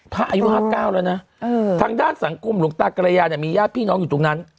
อายุ๕๙แล้วนะทางด้านสังคมหลวงตากรยาเนี่ยมีญาติพี่น้องอยู่ตรงนั้น